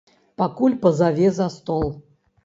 Пакуль пазаве за стол.